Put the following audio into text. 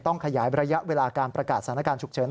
ขยายระยะเวลาการประกาศสถานการณ์ฉุกเฉิน